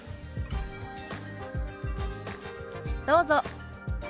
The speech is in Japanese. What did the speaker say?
どうぞ。